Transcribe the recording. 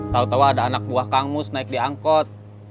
tau tau ada anak buah kangmus naik di angkot